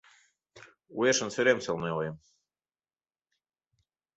Уэшын сӧрем сылне ойым